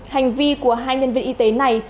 hành vi của hai nhân viên y tế này